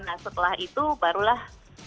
nah setelah itu barulah